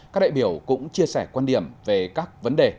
các đại biểu cũng chia sẻ quan điểm về các vấn đề